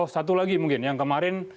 satu lagi mungkin yang kemarin